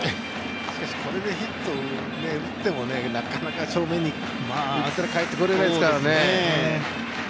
しかし、これでヒット打ってもなかなか正面にいったら帰ってこれないですからね。